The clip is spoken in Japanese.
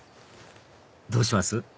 どうします？